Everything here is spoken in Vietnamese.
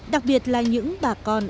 đặc biệt là những bà con